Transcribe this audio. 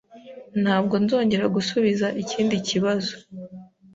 Ntabwo nzongera gusubiza ikindi kibazo.